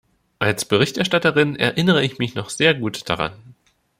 Als Berichterstatterin erinnere ich mich noch sehr gut daran.